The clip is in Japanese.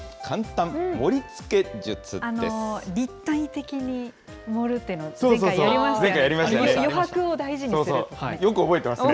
立体的に盛るっていうのは、前回やりましたよね。